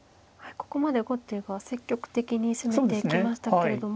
ここまで後手が積極的に攻めていきましたけれども。